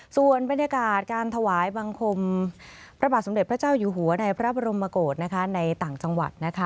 ส่วนบรรยากาศการถวายบังคมพระบาทสมเด็จพระเจ้าอยู่หัวในพระบรมโกศในต่างจังหวัดนะคะ